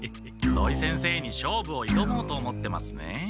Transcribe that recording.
土井先生に勝負をいどもうと思ってますね？